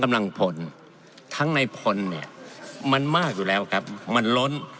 มันมากอยู่แล้วครับมันล้น